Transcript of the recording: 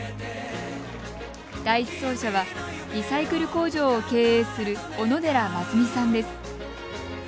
第１走者はリサイクル工場を経営する小野寺真澄さんです。